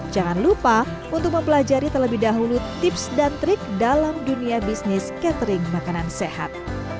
jangan lupa untuk mempelajari terlebih dahulu tips dan trik dalam dunia bisnis catering makanan sehat